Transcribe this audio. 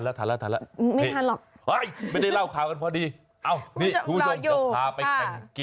เอาใหม่ก้างไหมก้างไหมโอเค